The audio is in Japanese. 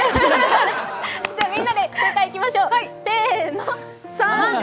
みんなで正解いきましょう、せーの３月。